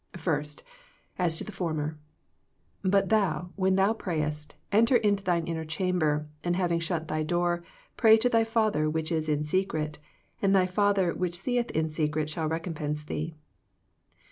First, as to the former. " But thou, when thou pray est, enter into thine inner chamber, and hav ing shut thy door, pray to thy Father v^hich is in secret, and thy Father which seeth in secret shall recompense thee."